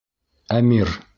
Әмир.